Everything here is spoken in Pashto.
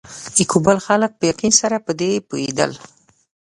د کابل خلک په یقین سره پر دې پوهېدل.